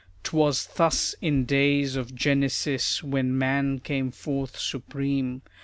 'Twas thus in days of Genesis, When man came forth supreme.